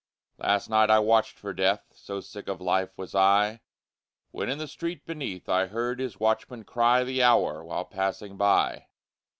Last night I watched for Death So sick of life was I! When in the street beneath I heard his watchman cry The hour, while passing by.